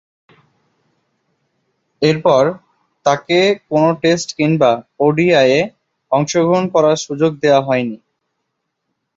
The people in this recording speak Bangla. এরপর, তাকে কোন টেস্ট কিংবা ওডিআইয়ে অংশগ্রহণ করার সুযোগ দেয়া হয়নি।